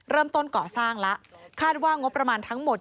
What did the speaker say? เริ่มต้นก่อสร้างแล้วคาดว่างบประมาณทั้งหมด